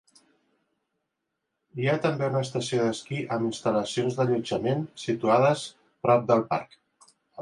Hi ha també una estació d'esquí amb instal·lacions d'allotjament situades prop del parc.